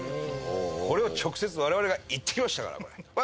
これを直接我々が行ってきましたから！